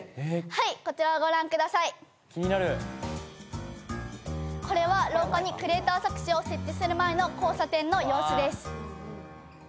はいこちらをご覧ください気になるこれは廊下にクレーター錯視を設置する前の交差点の様子です